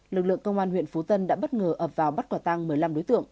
lực lượng công an huyện phú tân đã bất ngờ ập vào bắt quả tăng một mươi năm đối tượng